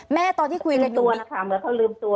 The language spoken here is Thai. แม่ตอนที่คุยกันอยู่นี่ลืมตัวนะคะเหมือนเขาลืมตัว